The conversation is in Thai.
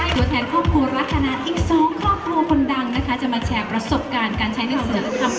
อีกแสดงหนึ่งนะคะดังนะคะจะมาแชร์ประสบการณ์การใช้นักศึกษา